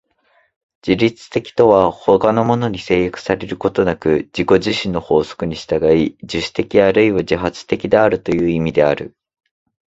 自律的とは他のものに制約されることなく自己自身の法則に従い、自主的あるいは自発的であるという意味である。